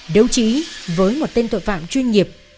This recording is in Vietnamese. đấu trí với một tên tội phạm chuyên nghiệp